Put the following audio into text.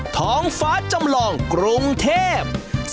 ท้องฟ้าจำลองกรุงเทพ